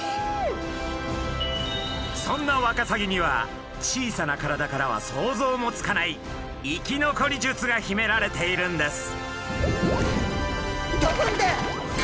そんなワカサギには小さな体からは想像もつかない生き残り術が秘められているんです。